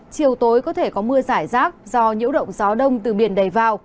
chiều tối có thể có mưa giải rác do nhiễu động gió đông từ biển đầy vào